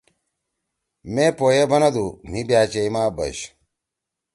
مے پو ئے بنَدُو: ”مھی بأ چیئی ما بش!